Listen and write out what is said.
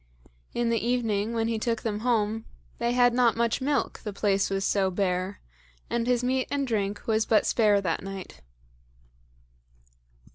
In the evening when he took them home they had not much milk, the place was so bare, and his meat and drink was but spare that night.